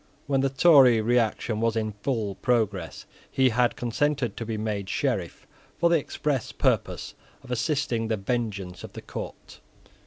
When the Tory reaction was in full progress, he had consented to be made Sheriff for the express purpose of assisting the vengeance of the court.